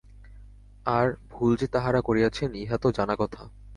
আর ভুল যে তাঁহারা করিয়াছেন, ইহা তো জানা কথা।